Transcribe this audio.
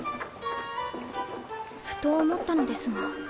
ふと思ったのですが。